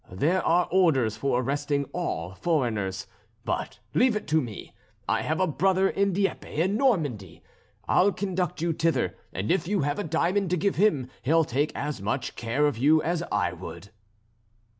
There are orders for arresting all foreigners, but leave it to me. I have a brother at Dieppe in Normandy! I'll conduct you thither, and if you have a diamond to give him he'll take as much care of you as I would."